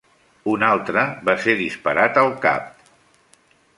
Un altre va ser disparat al cap.